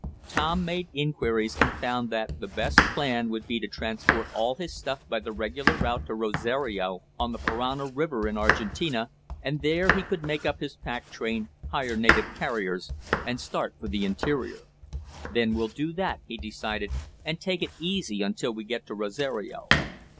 Tom made inquiries and found that the best plan would be to transport all his stuff by the regular route to Rosario, on the Parana river in Argentina, and there he could make up his pack train, hire native carriers, and start for the interior. "Then we'll do that," he decided, "and take it easy until we get to Rosario."